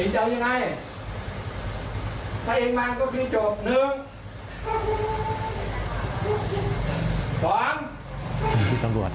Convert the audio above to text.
ถ้าเองไม่วางมีดนะทุกคนเตรียมสายหุ้น